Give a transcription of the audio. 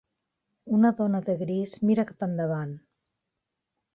Una dona de gris mira cap endavant.